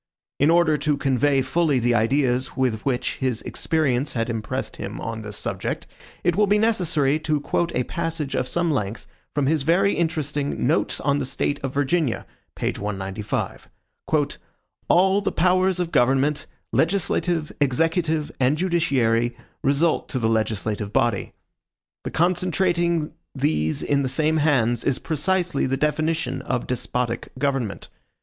In order to convey fully the ideas with which his experience had impressed him on this subject, it will be necessary to quote a passage of some length from his very interesting Notes on the State of Virginia, p. 195. "All the powers of government, legislative, executive, and judiciary, result to the legislative body. The concentrating these in the same hands, is precisely the definition of despotic government.